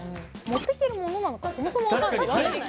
持ってけるものなのかそもそも分からない。